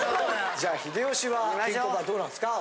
じゃあ秀吉はケンコバどうなんですか？